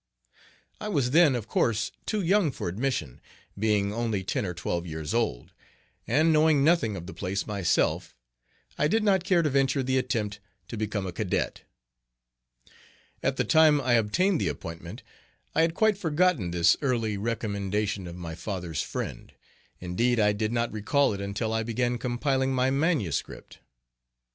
I was then of course too young for admission, being only ten or twelve years old; and knowing nothing of the place myself, I did not care to venture the attempt to become a cadet. At the time I obtained the appointment I had quite forgotten this early recommendation of my father's friend; indeed, I did not recall it until I began compiling my manuscript.